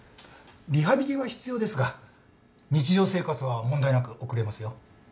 リハビリは必要ですが日常生活は問題なく送れますよ。